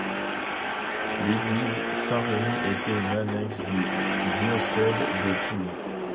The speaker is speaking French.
L'église Saint-Rémy était une annexe du diocèse de Toul.